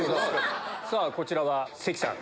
さぁこちらは関さん。